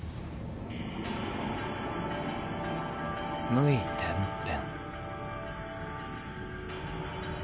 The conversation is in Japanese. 「無為転変」。